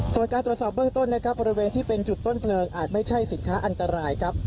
ส่วนการตรวจสอบเบื้องต้นนะครับบริเวณที่เป็นจุดต้นเพลิงอาจไม่ใช่สินค้าอันตรายครับ